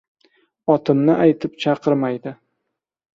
Otimni aytib chaqirmaydi.